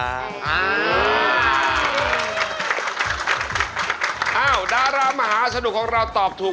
อ้าวดารามหาสนุกของเราตอบถูก